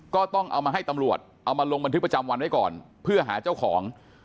ก็ต้องเอามาให้ตำรวจเอามาลงบันทึกประจำวันไว้ก่อนเพื่อหาเจ้าของ